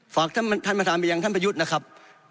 ฝากท่านประธานไปยังท่านประยุทธ์นะครับ